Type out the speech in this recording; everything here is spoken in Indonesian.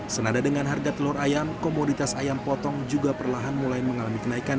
senada dengan harga telur ayam komoditas ayam potong juga perlahan mulai mengalami kenaikan